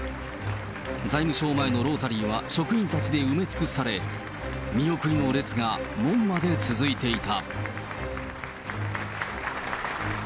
財務省前のロータリーは職員たちで埋め尽くされ、見送りの列が門まで続いていた。